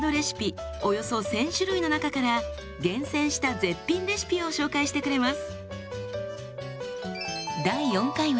およそ１，０００種類の中から厳選した絶品レシピを紹介してくれます。